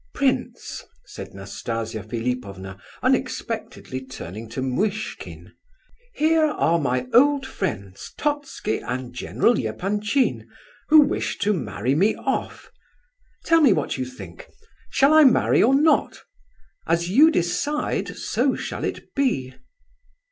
"Prince," said Nastasia Philipovna, unexpectedly turning to Muishkin, "here are my old friends, Totski and General Epanchin, who wish to marry me off. Tell me what you think. Shall I marry or not? As you decide, so shall it be."